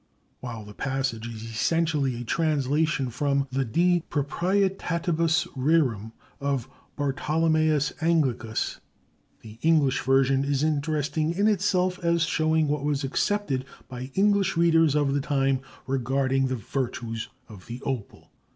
While the passage is essentially a translation from the "De proprietatibus rerum," of Bartolomæus Anglicus, the English version is interesting in itself as showing what was accepted by English readers of the time regarding the virtues of the opal.